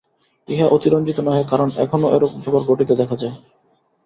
ইহা অতিরঞ্জিত নহে, কারণ এখনও এরূপ ব্যাপার ঘটিতে দেখা যায়।